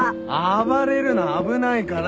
暴れるな危ないから！